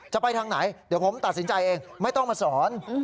จะไปทางไหนเดี๋ยวผมตัดสินใจเองไม่ต้องมาสอน